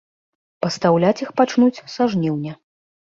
Пастаўляць іх пачнуць са жніўня.